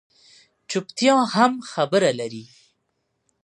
چُپتیا هم خبره لري